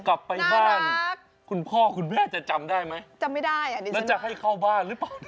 กลับไปบ้านคุณพ่อคุณแม่จะจำได้ไหมแล้วจะให้เข้าบ้านหรือเปล่า